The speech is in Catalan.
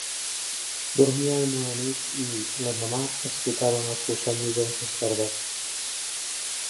Dormien una nit i, l'endemà, explicaven els seus somnis a un sacerdot.